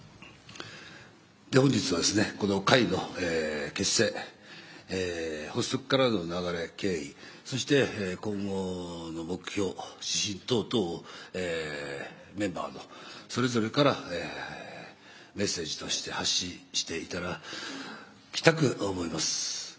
本日はこの会の結成、発足からの流れ、経緯、そして今後の目標、指針等々をメンバーのそれぞれからメッセージとして発信していけたらと思います。